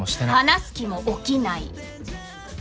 話す気も起きない。